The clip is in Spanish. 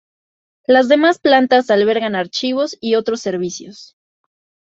Las demás plantas albergan archivos y otros servicios.